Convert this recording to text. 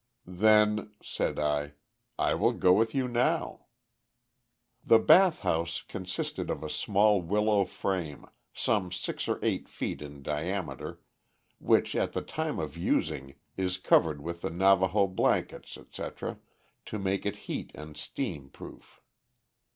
"Then," said I, "I will go with you now." The "bath house" consisted of a small willow frame, some six or eight feet in diameter, which, at the time of using, is covered over with Navaho blankets, etc., to make it heat and steam proof.